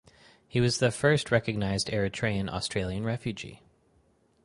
He was the first recognized Eritrean Australian refugee.